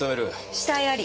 死体あり。